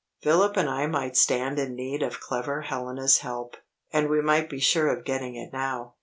Philip and I might stand in need of clever Helena's help, and we might be sure of getting it now.